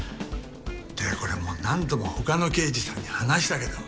ってこれもう何度も他の刑事さんに話したけど？